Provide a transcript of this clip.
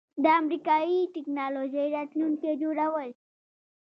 د امریکایی ټیکنالوژۍ راتلونکی جوړول